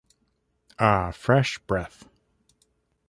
Ah fresh breath.